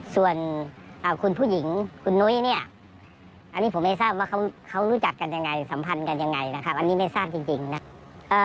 ส่วนคุณผู้หญิงคุณนุ้ยเนี่ยอันนี้ผมไม่ทราบว่าเขารู้จักกันยังไงสัมพันธ์กันยังไงนะคะอันนี้ไม่ทราบจริงนะ